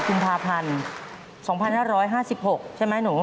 กุมภาพันธ์๒๕๕๖ใช่ไหมหนู